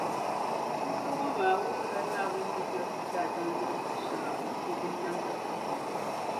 Suurili ŋɔ maa wuhirila Naawuni ni yolisi daadam yolisiri shεŋa o binnamda puuni.